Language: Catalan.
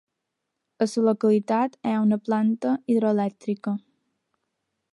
A la localitat hi ha una planta hidroelèctrica.